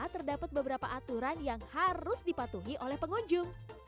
terdapat beberapa aturan yang harus dipatuhi oleh pengunjung